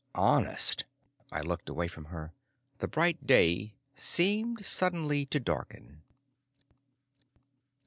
Honest! I looked away from her. The bright day seemed suddenly to darken.